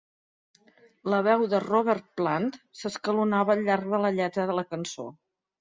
La veu de Robert Plant s'escalonava al llarg de la lletra de la cançó.